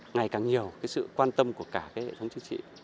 ngày càng nhiều cái sự quan tâm của cả cái hệ thống chính trị